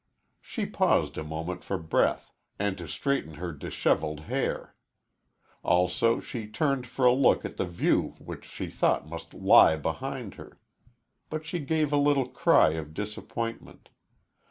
She paused a moment for breath, and to straighten her disheveled hair. Also she turned for a look at the view which she thought must lie behind her. But she gave a little cry of disappointment.